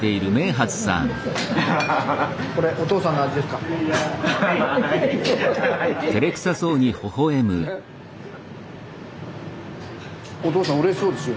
おとうさんうれしそうですよ。